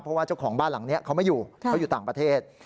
เพราะว่าเจ้าของบ้านหลังนี้เขาไม่อยู่เขาอยู่ต่างประเทศ